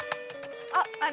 あっあれ？